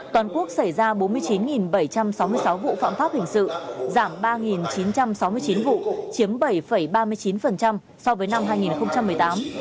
toàn quốc xảy ra bốn mươi chín bảy trăm sáu mươi sáu vụ phạm pháp hình sự giảm ba chín trăm sáu mươi chín vụ chiếm bảy ba mươi chín so với năm hai nghìn một mươi tám